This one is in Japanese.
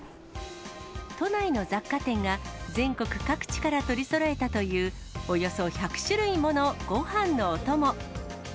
都内の雑貨店が全国各地から取りそろえたというおよそ１００種類ものご飯のお供。